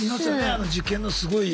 あの受験のすごい。